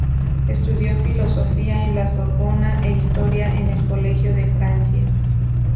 Estudió filosofía en la Sorbona e historia en el Colegio de Francia.